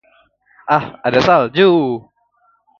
Ah, ada salju!